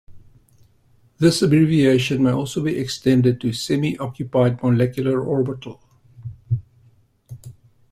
This abbreviation may also be extended to "semi occupied molecular orbital".